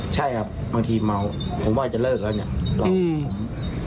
ใช่ครับบางทีเมาผมว่าจะเลิกแล้วเนี่ยหลอกผม